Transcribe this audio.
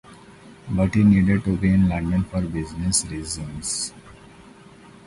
But he needed to be in London for business reasons.